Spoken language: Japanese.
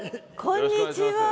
こんにちは。